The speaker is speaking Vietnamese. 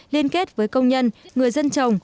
liên kết với công nhân người dân trồng